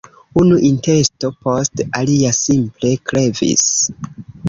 Unu intesto post alia simple krevis.